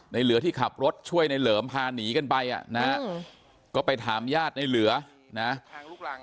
เหลือที่ขับรถช่วยในเหลิมพาหนีกันไปอ่ะนะฮะก็ไปถามญาติในเหลือนะ